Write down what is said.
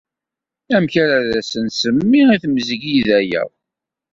Amek ara ad asen-semmi i tmezgida-a?